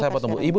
maaf saya bertemu